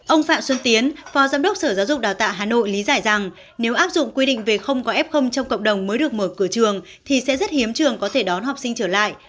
ông phạm xuân tiến phó giám đốc sở giáo dục đào tạo hà nội lý giải rằng nếu áp dụng quy định về không có f trong cộng đồng mới được mở cửa trường thì sẽ rất hiếm trường có thể đón học sinh trở lại